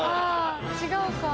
違うか。